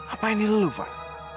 apa ini lu fad